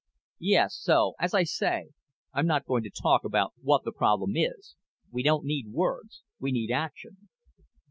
"Yes; so, as I say, I'm not going to talk about what the problem is. We don't need words we need action."